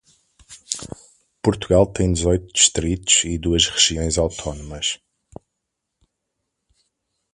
Portugal tem dezoito distritos e duas regiões autónomas.